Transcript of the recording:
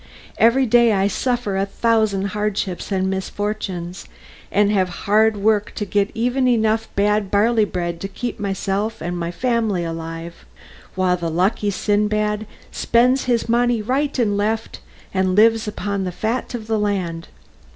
Every day I suffer a thousand hardships and misfortunes, and have hard work to get even enough bad barley bread to keep myself and my family alive, while the lucky Sindbad spends money right and left and lives upon the fat of the land!